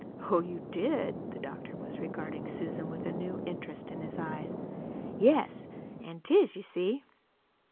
"Oh, you did!" The doctor was regarding Susan with a new interest in his eyes. "Yes, an' 'tis, you see."